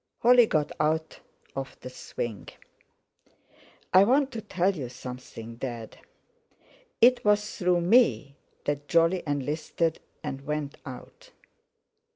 Holly got out of the swing. "I want to tell you something, Dad. It was through me that Jolly enlisted and went out."